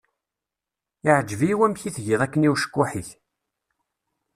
Iεǧeb-iyi wamek i tgiḍ akken i ucekkuḥ-ik.